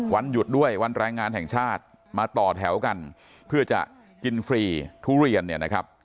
วันหยุดด้วยวันแรงงานแห่งชาติมาต่อแถวกันเพื่อจะกินฟรีทุเรียนเนี่ยนะครับ